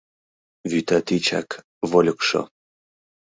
Вӱта тичак — вольыкшо